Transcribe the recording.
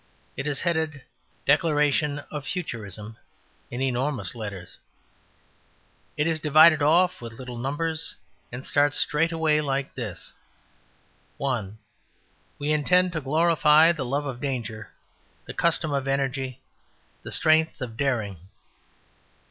It is headed "Declaration of Futurism" in enormous letters; it is divided off with little numbers; and it starts straight away like this: "1. We intend to glorify the love of danger, the custom of energy, the strengt of daring.